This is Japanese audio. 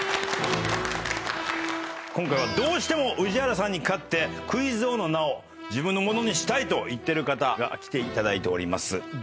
今回はどうしても宇治原さんに勝ってクイズ王の名を自分のものにしたいと言ってる方が来ていただいてます。